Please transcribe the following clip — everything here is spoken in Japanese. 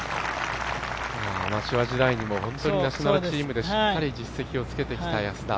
アマチュア時代にも本当にナショナルチームでしっかり実績をつけてきた安田。